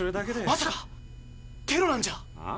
まさかテロなんじゃ⁉あ？